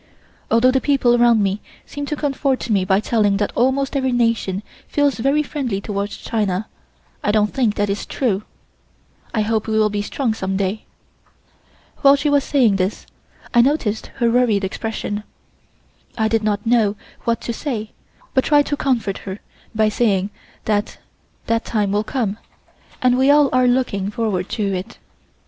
Although the people around me seem to comfort me by telling that almost every nation feels very friendly towards China, I don't think that is true. I hope we will be strong some day." While she was saying this I noticed her worried expression. I did not know what to say, but tried to comfort her by saying that that time will come, and we are all looking forward to it.